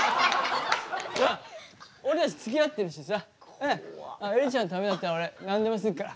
俺たちつきあってるしさエリちゃんのためだったら俺何でもするから。